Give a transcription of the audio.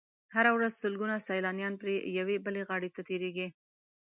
هره ورځ سلګونه سیلانیان پرې یوې بلې غاړې ته تېرېږي.